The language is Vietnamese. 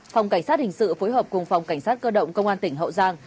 phòng cảnh sát hình sự phối hợp cùng phòng cảnh sát cơ động công an tỉnh hậu giang